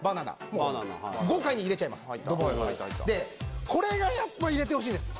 もう豪快に入れちゃいますでこれがやっぱ入れてほしいです